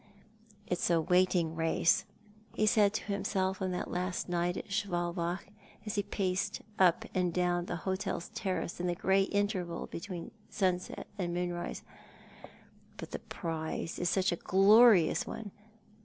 " It's a waiting race," ho said to himself on that last night at Schwalbach, as he paced up and down the hotel terrace in the grey interval between simset and moonrise, " but the prize is such a glorious one!